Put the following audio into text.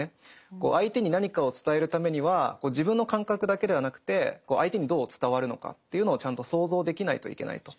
相手に何かを伝えるためには自分の感覚だけではなくて相手にどう伝わるのかというのをちゃんと想像できないといけないと。